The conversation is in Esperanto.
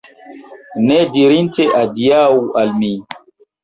Ne dirinte adiaŭ al mi!